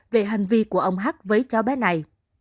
về hành vi của ông hắc với cháu bé này